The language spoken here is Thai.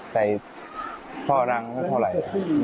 ใส่ฟ้ารังเข้าถล่อย